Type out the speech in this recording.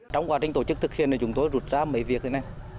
trong quá trình tổ chức thực hiện này chúng tôi rụt ra mấy việc này